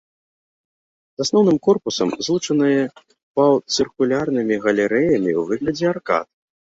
З асноўным корпусам злучаныя паўцыркульнымі галерэямі ў выглядзе аркад.